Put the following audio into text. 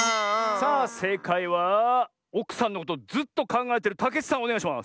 さあせいかいはおくさんのことずっとかんがえてるたけちさんおねがいします！